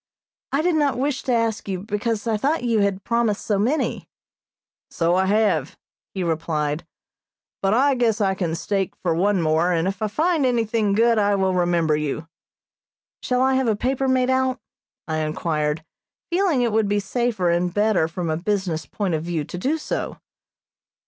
"I did not wish to ask you, because I thought you had promised so many." "So I have," he replied, "but I guess I can stake for one more, and if I find anything good I will remember you." "Shall I have a paper made out?" I inquired, feeling it would be safer and better from a business point of view to do so.